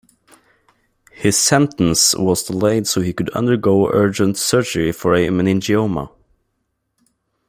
His sentence was delayed so he could undergo urgent surgery for a meningioma.